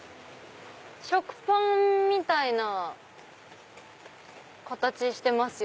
食パンみたいな形してますよね。